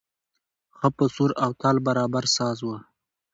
ښه په سور او تال برابر ساز و.